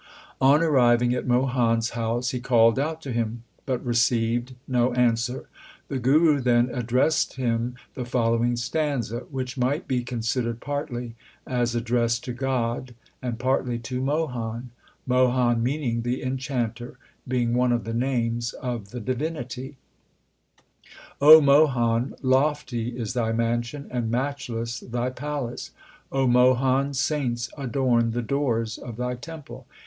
On arriving at Mohan s house he called out to him, but received no answer. The Guru then addressed him the following stanza, which might be considered partly as addressed to God and partly to Mohan Mohan meaning the enchanter, being one of the names of the Divinity : O Mohan, lofty is thy mansion, and matchless thy palace ; O Mohan, saints adorn the doors of thy temple.